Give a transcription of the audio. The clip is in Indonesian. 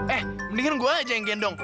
eh mendingan gue aja yang gendong